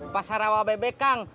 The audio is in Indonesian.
pasar rawa bebek kang